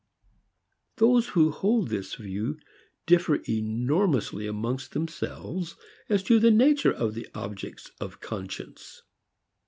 Those who hold this view differ enormously among themselves as to the nature of the objects of conscience.